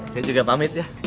saya juga pamit ya